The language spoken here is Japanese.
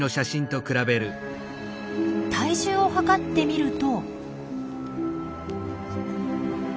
体重を量ってみると。